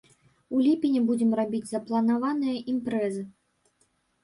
У ліпені будзем рабіць запланаваныя імпрэзы.